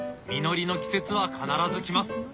実りの季節は必ず来ます。